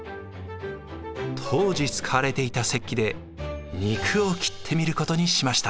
当時使われていた石器で肉を切ってみることにしました。